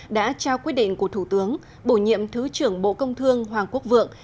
đã trao quyết định của thủ tướng bổ nhiệm thứ trưởng bộ công thương hoàng quốc vượng